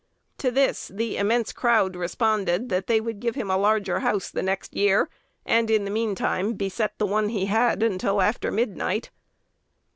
To this the immense crowd responded that they would give him a larger house the next year, and in the mean time beset the one he had until after midnight.